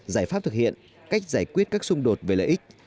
giải pháp thực hiện cách giải quyết các xung đột về lợi ích